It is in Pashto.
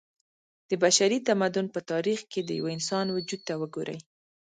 د بشري تمدن په تاريخ کې د يوه انسان وجود ته وګورئ